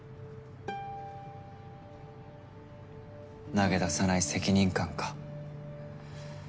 投げ出さない責任感か。